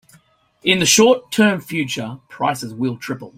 In the short term future, prices will triple.